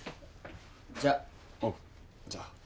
じゃあ。